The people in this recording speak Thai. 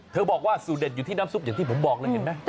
เธอบอกว่าสูดเด็ดอยู่ที่น้ำซุปอย่างที่ผมบอกนะเห็นมั้ย